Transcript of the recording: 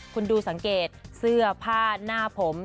คุณดูสังเกตเสื้อผ้าหน้าผม